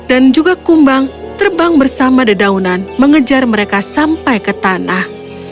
dan juga kumbang terbang bersama dendaunan mengejar mereka sampai ke tanah